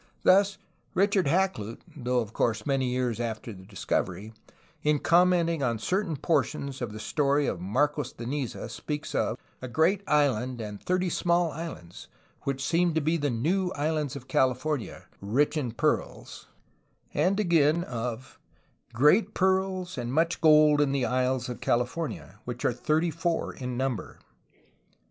Thus, Richard Hak luyt (though, of course, many years after the discovery) in commenting on certain portions of the story of Marcos de Niza speaks of: "A great island and 30 small islands which seem to be the new islands of California, rich in pearles," ORIGIN AND APPLICATION OF THE NAME CALIFORNIA 07 and again of : "Great pearles and much gold in the isles of California, which are 34 in number."